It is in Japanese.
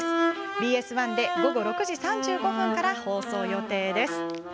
ＢＳ１で午後６時３５分から放送予定です。